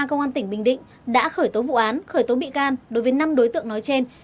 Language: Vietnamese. công an tỉnh bình định đã khởi tố vụ án khởi tố bị can đối với năm đối tượng nói trên